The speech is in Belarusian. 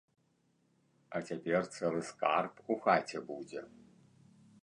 А цяпер цэлы скарб у хаце будзе.